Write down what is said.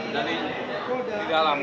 dari di dalam